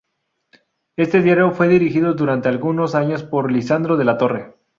Este diario fue dirigido durante algunos años por Lisandro de la Torre.